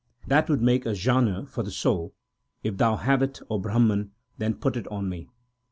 That would make a janeu for the soul ; if thou have it, O Brahman, then put it on me.